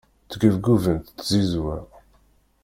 Ttgebgubent tzizwa.